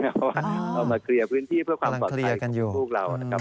เพราะว่าเรามาเคลียร์พื้นที่เพื่อความปลอดภัยพวกเรานะครับ